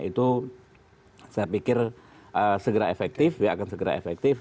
itu saya pikir segera efektif ya akan segera efektif